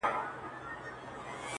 هغه به اوس جامع الکمالات راته وايي!!